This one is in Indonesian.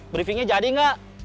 briefingnya jadi nggak